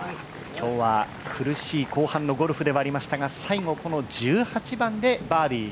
今日は苦しい後半のゴルフではありましたが最後、１８番でバーディー。